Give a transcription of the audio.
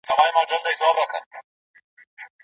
موږ د غره له سره لاندې کلي ولیدل.